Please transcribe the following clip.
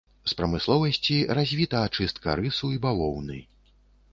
З прамысловасці развіта ачыстка рысу і бавоўны.